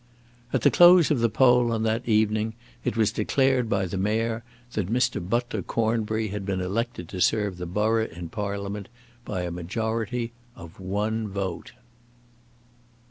At the close of the poll on that evening it was declared by the mayor that Mr. Butler Cornbury had been elected to serve the borough in Parliament by a majority of one vote.